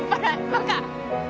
バカ！